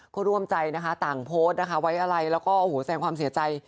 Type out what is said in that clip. ก็ร่วมใจนะคะต่างโพสต์นะคะไว้อะไรแล้วก็โอ้โหแสงความเสียใจ